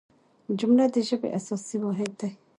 جمله د ژبي اساسي واحد دئ.